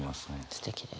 すてきです。